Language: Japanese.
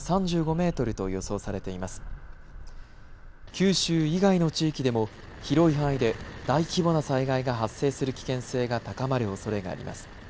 九州以外の地域でも広い範囲で大規模な災害が発生する危険性が高まるおそれがあります。